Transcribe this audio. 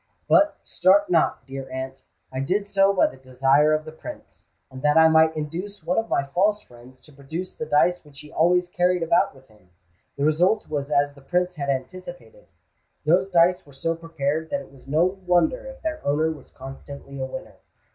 But, start not, dear aunt—I did so by the desire of the Prince, and that I might induce one of my false friends to produce the dice which he always carried about with him. The result was as the Prince had anticipated: those dice were so prepared that it was no wonder if their owner was constantly a winner.